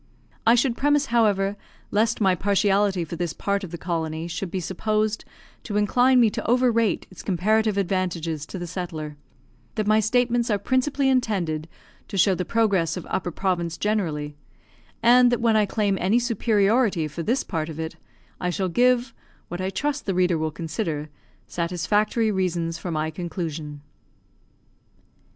I should premise, however, lest my partiality for this part of the colony should be supposed to incline me to overrate its comparative advantages to the settler, that my statements are principally intended to show the progress of Upper Province generally; and that when I claim any superiority for this part of it, I shall give, what I trust the reader will consider, satisfactory reasons for my conclusion.